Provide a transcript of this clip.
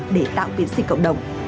để tạo biến sinh cộng đồng